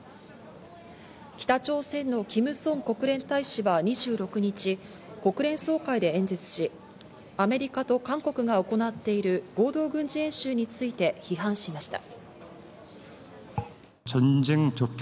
北朝鮮のキム・ソン国連大使は２６日、国連総会で演説し、アメリカと韓国が行っている合同軍事演習について批判しました。